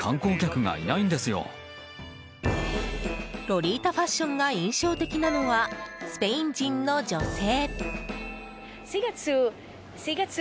ロリータファッションが印象的なのはスペイン人の女性。